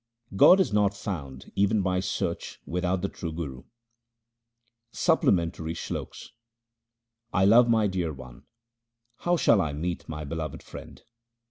God is not found even by search without the true Guru :— Supplementary Sloks I love my Dear One ; how shall I meet my beloved Friend